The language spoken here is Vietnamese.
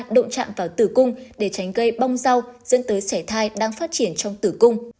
độ chạm vào tử cung để tránh gây bong rau dẫn tới xẻ thai đang phát triển trong tử cung